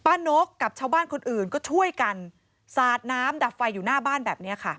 นกกับชาวบ้านคนอื่นก็ช่วยกันสาดน้ำดับไฟอยู่หน้าบ้านแบบนี้ค่ะ